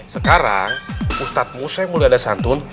sekarang ustadz musa yang mulia dasantun